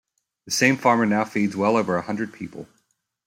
The same farmer now feeds well over a hundred people.